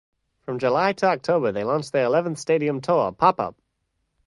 From July to October, they launched their eleventh stadium tour, Pop Up!